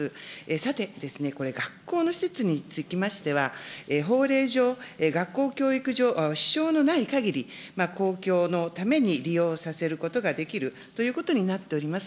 さてですね、これ学校の施設につきましては、法令上、学校教育上、支障のないかぎり、公共のために利用させることができるということになっております。